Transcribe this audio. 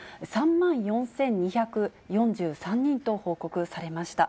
３万４２４３人と報告されました。